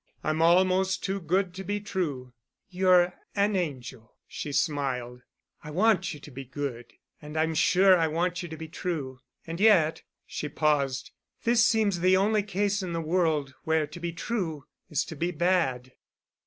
I'm almost too good to be true." "You're an angel," she smiled. "I want you to be good, and I'm sure I want you to be true. And yet"—she paused—"this seems the only case in the world where to be true is to be bad."